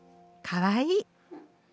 かわいい。